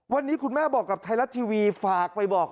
วันนี้คุณแม่บอกกับไทยรัฐทีวีฝากไปบอก